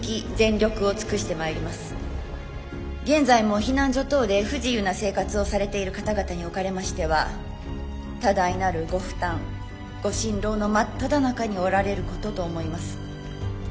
現在も避難所等で不自由な生活をされている方々におかれましては多大なるご負担ご心労の真っただ中におられることと思います。